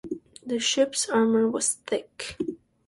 The ship's armor was thick.